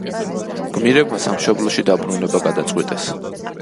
გმირებმა სამშობლოში დაბრუნება გადაწყვიტეს.